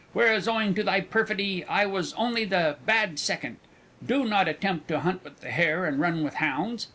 Whereas owing to thy perfidy I was only the bad second. Do not attempt to hunt with the hare and run with hounds.